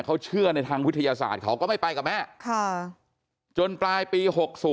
เขาเชื่อในทางวิทยาศาสตร์เขาก็ไม่ไปกับแม่จนปลายปี๖๐